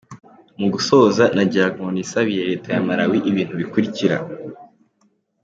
Mu gusoza, nagiraga ngo nisabire Leta ya Malawi ibintu bikurikira: